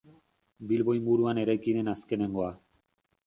Bilbo inguruan eraiki den azkenengoa.